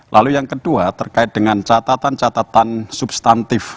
lalu yang kedua terkait dengan catatan catatan substantif